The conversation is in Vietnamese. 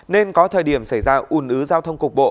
nên có thời điểm xảy ra ủn ứ giao thông cục bộ